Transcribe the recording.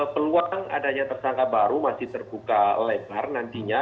peluang adanya tersangka baru masih terbuka lebar nantinya